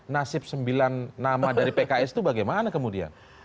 nasib sembilan nama dari pks itu bagaimana kemudian